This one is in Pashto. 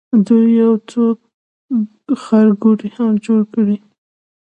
دوی یو څو ښارګوټي هم جوړ کړي.